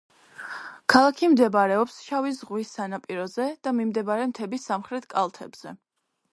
ქალაქი მდებარეობს შავი ზღვის სანაპიროზე და მიმდებარე მთების სამხრეთ კალთებზე.